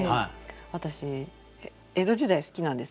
私江戸時代好きなんですね。